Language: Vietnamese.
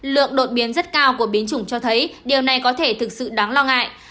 lượng đột biến rất cao của biến chủng cho thấy điều này có thể thực sự đáng lo ngại